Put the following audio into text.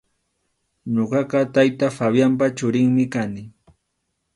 Ñuqaqa tayta Fabianpa churinmi kani.